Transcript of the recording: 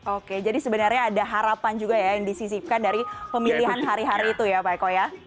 oke jadi sebenarnya ada harapan juga ya yang disisipkan dari pemilihan hari hari itu ya pak eko ya